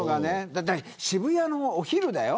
だって渋谷のお昼だよ。